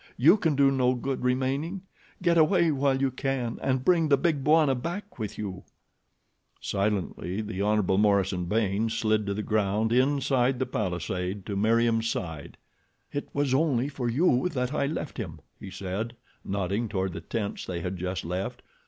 You can do no good remaining. Get away while you can and bring the Big Bwana back with you." Silently the Hon. Morison Baynes slid to the ground inside the palisade to Meriem's side. "It was only for you that I left him," he said, nodding toward the tents they had just left.